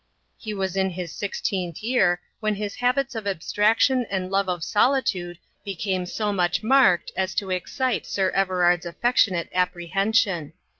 He was in his sixteenth year when his habits of abstraction and love of solitude became so much marked as to excite Sir Everard's affectionate apprehension.